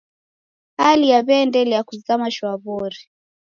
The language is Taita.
Hali yaw'iaendelia kuzama shwaw'ori.